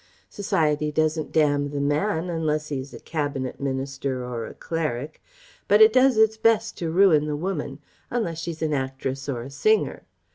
Society doesn't damn the man, unless he is a Cabinet Minister or a Cleric; but it does its best to ruin the woman ... unless she's an actress or a singer.